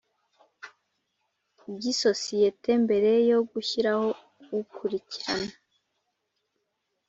by isosiyete Mbere yo gushyiraho ukurikirana